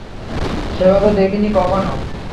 সেভাবে দেখিনি কখনও।